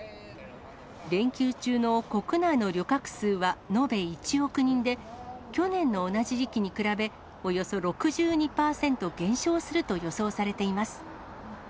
連休中の国内の旅客数は延べ１億人で、去年の同じ時期に比べ、およそ６２％減少すると予想されています。